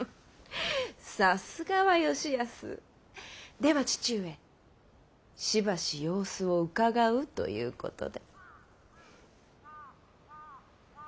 では父上しばし様子をうかがうということで。